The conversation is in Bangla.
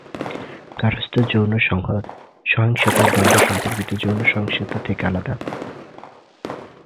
গার্হস্থ্য যৌন সহিংসতা দ্বন্দ্ব-সম্পর্কিত যৌন সহিংসতা থেকে আলাদা।